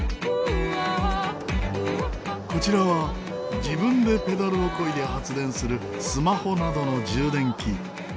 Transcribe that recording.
こちらは自分でペダルをこいで発電するスマホなどの充電器。